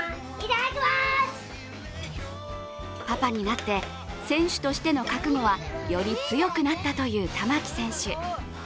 パパになって、選手としての覚悟はより強くなったという玉置選手。